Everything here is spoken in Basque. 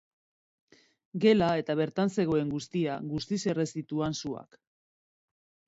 Gela eta bertan zegoen guztia, guztiz erre zituan suak.